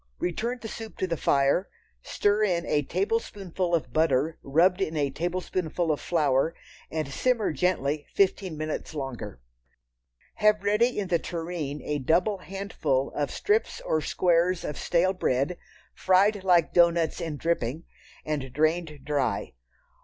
Return the soup to the fire, stir in a tablespoonful of butter rubbed in a tablespoonful of flour, and simmer gently fifteen minutes longer. Have ready in the tureen a double handful of strips or squares of stale bread, fried like doughnuts in dripping, and drained dry.